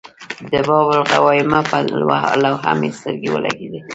د باب الغوانمه پر لوحه مې سترګې ولګېدې.